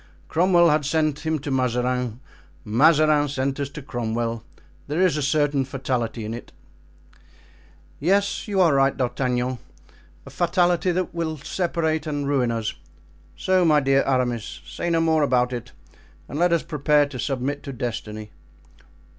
Cromwell had sent him to Mazarin. Mazarin sent us to Cromwell. There is a certain fatality in it." "Yes, you are right, D'Artagnan, a fatality that will separate and ruin us! So, my dear Aramis, say no more about it and let us prepare to submit to destiny."